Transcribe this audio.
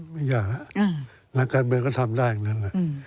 ไม่อยากนักการเมืองก็ทำได้อย่างนั้น